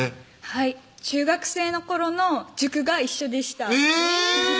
はい中学生の頃の塾が一緒でしたえぇ！